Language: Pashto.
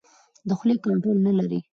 د خولې کنټرول نه لري.